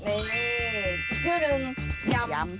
นี่ชื่อหนึ่งยำ